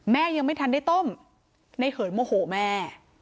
ยังไม่ทันได้ต้มในเหินโมโหแม่